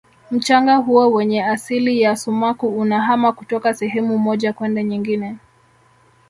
mchanga huo wenye asili ya sumaku unahama kutoka sehemu moja kwenda nyingine